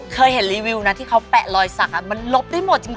เคยเห็นรีวิวนะที่เขาแปะรอยสักมันลบได้หมดจริง